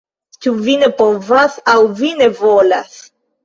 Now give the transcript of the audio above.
Ĉu vi ne povas, aŭ vi ne volas?